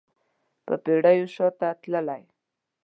په پیړیو شاته تللی